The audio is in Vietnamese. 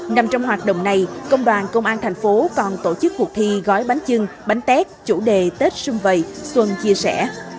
nằm trong hoạt động này công đoàn công an thành phố còn tổ chức cuộc thi gói bánh trưng bánh tét chủ đề tết xuân vầy xuân chia sẻ